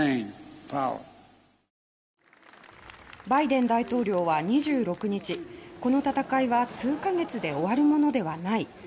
バイデン大統領は２６日この戦いは数か月で終わるものではない。